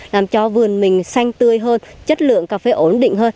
làm cho vườn mình xanh tươi hơn chất lượng cà phê ổn định hơn